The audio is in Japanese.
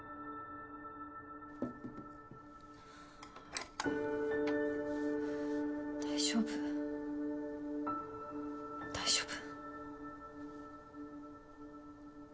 はぁ大丈夫大丈夫。